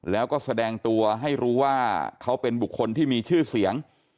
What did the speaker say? แล้วก็แสดงตัวให้รู้ว่าเขาเป็นบุคคลที่มีชื่อเสียง